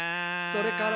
「それから」